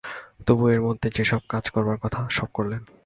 তবু এর মধ্যেই যে-সব কাজ করবার কথা, সব করলেন।